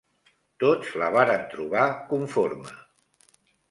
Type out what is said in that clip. Tots la varen trobar conforme